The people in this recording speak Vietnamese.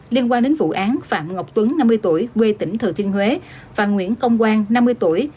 liên quan đến vụ án phạm ngọc tuấn năm mươi tuổi quê tỉnh thừa thiên huế và nguyễn công quang năm mươi tuổi